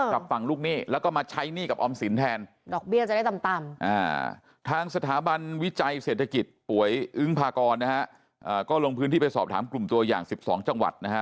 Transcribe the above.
คุณภากรนะฮะเอ่อก็ลงพื้นที่ไปสอบถามกลุ่มตัวอย่างสิบสองจังหวัดนะฮะ